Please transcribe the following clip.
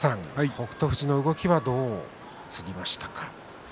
北勝富士の動きはどう映りましたか。